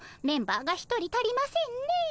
メンバーが１人足りませんね。